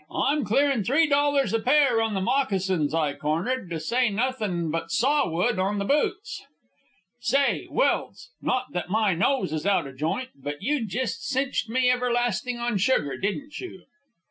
I'm clearin' three dollars a pair on the moccasins I cornered, to say nothing but saw wood on the boots. Say, Welse, not that my nose is out of joint, but you jest cinched me everlastin' on sugar, didn't you?"